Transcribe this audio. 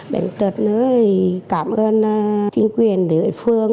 bệnh tật nữa thì cảm ơn chính quyền địa phương